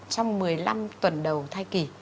trong một mươi năm tuần đầu thai kỳ